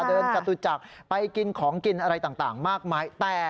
จตุจักรไปกินของกินอะไรต่างมากมาย